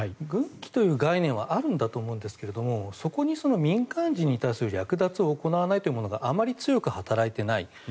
軍規という概念はあるんだと思うんですがそこに民間人に対する略奪を行わないというものがあまり強く働いていない。